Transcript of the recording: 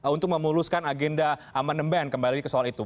untuk memuluskan agenda amandemen kembali ke soal itu